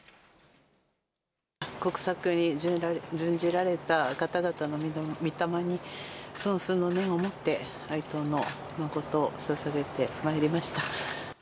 国策に殉じられた方々のみ霊に、尊崇の念を持って、哀悼の誠をささげてまいりました。